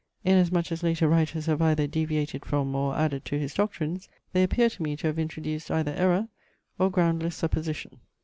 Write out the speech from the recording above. In as much as later writers have either deviated from, or added to his doctrines, they appear to me to have introduced either error or groundless supposition.